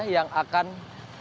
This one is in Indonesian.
yang akan melakukan penyelenggaraan